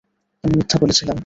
আমি মিথ্যা বলেছিলাম।